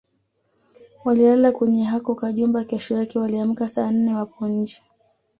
Walilala kwenye hako kajumba kesho yake waliamka saa nne wapo nje